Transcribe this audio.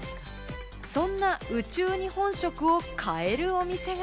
そんな宇宙日本食を買えるお店が。